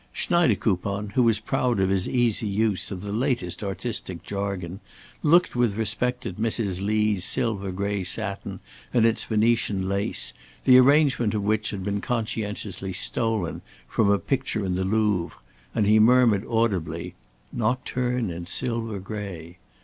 Schneidekoupon, who was proud of his easy use of the latest artistic jargon, looked with respect at Mrs. Lee's silver gray satin and its Venetian lace, the arrangement of which had been conscientiously stolen from a picture in the Louvre, and he murmured audibly, "Nocturne in silver gray!"